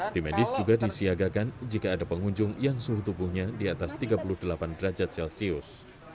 tim medis juga disiagakan jika ada pengunjung yang suhu tubuhnya di atas tiga puluh delapan derajat celcius